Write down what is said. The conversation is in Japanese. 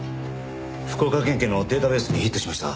福岡県警のデータベースにヒットしました。